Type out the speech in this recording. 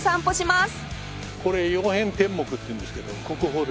これ曜変天目っていうんですけど国宝です。